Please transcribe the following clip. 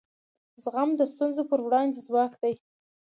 زغم د ستونزو پر وړاندې ځواک دی.